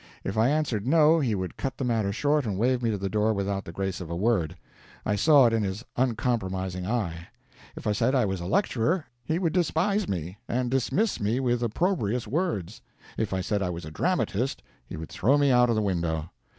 If I answered no, he would cut the matter short and wave me to the door without the grace of a word I saw it in his uncompromising eye; if I said I was a lecturer, he would despise me, and dismiss me with opprobrious words; if I said I was a dramatist, he would throw me out of the window.